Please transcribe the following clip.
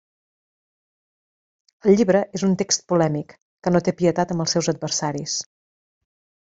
El llibre és un text polèmic que no té pietat amb els seus adversaris.